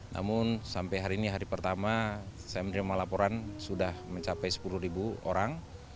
namun sampai hari ini hari pertama saya menerima laporan sudah mencapai sepuluh orang